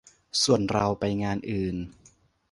ส่วนเราไปงานอื่น